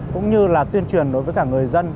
cũng như là tuyên truyền đối với cả người dân